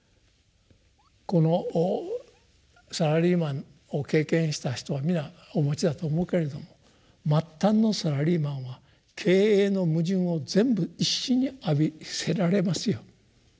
このサラリーマンを経験した人は皆お持ちだと思うけれども末端のサラリーマンは経営の矛盾を全部一身に浴びせられますよ。